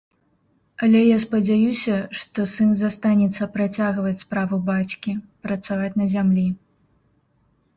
Але я спадзяюся, што сын застанецца працягваць справу бацькі, працаваць на зямлі.